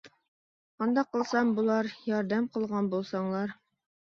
قانداق قىلسام بۇلار، ياردەم قىلغان بولساڭلار.